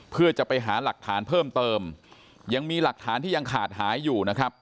เพื่อจะไปหาหลักฐานเพิ่มเติมยังมีหลักฐานที่ยังขาดหายอยู่นะครับ